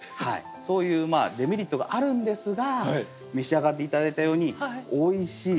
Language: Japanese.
そういうデメリットがあるんですが召し上がって頂いたようにおいしい。